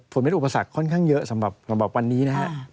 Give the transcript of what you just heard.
มันเป็นอุปสรรคค่อนข้างเยอะสำหรับวันนี้นะครับ